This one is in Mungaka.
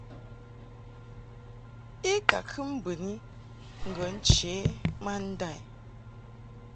I ka kɨ mbɨni ŋgə nche ma nda i.